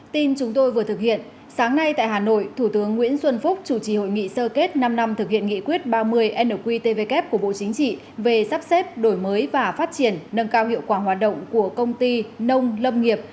tin chúng tôi vừa thực hiện sáng nay tại hà nội thủ tướng nguyễn xuân phúc chủ trì hội nghị sơ kết năm năm thực hiện nghị quyết ba mươi nqtvk của bộ chính trị về sắp xếp đổi mới và phát triển nâng cao hiệu quả hoạt động của công ty nông lâm nghiệp